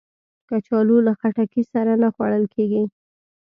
کچالو له خټکی سره نه خوړل کېږي